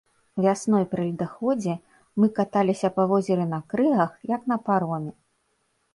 Вясной пры ледаходзе мы каталіся па возеры на крыгах, як на пароме.